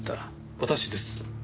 私です。